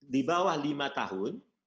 di bawah lima tahun